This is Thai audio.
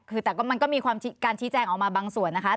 คือแต่ก็มันก็มีการชี้แจงออกมาบางส่วนนะคะ